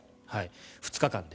２日間で。